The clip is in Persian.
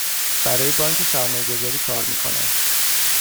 برای بانک سرمایه گذاری کار می کنم.